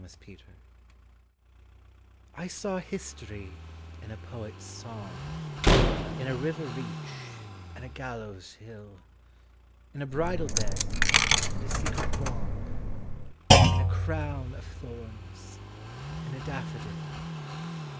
SYMBOLS I saw history in a poet's song, In a river reach and a gallows hill, In a bridal bed, and a secret wrong, In a crown of thorns: in a daffodil.